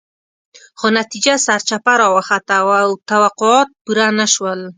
خو نتیجه سرچپه راوخته او توقعات پوره نه شول.